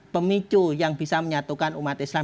pemicu yang bisa menyatukan umat islam